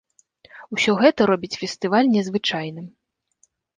Усё гэта робіць фестываль незвычайным.